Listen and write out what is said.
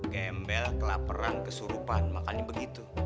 gembel kelaperan kesurupan makanya begitu